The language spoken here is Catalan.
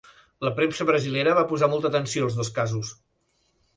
La premsa brasilera va posar molta atenció als dos casos.